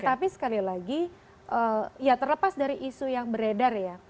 terlebih lagi ya terlepas dari isu yang beredar ya